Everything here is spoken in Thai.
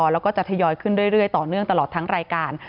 แล้วก็จะทยอยขึ้นเรื่อยต่อเนื่องตลอดทั้งรายการ